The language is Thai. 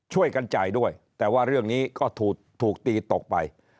ช่วยกันจ่ายด้วยแต่ว่าเรื่องนี้ก็ถูกตีตกไป